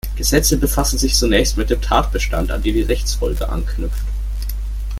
Gesetze befassen sich zunächst mit dem Tatbestand, an den die Rechtsfolge anknüpft.